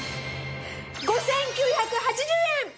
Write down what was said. ５９８０円！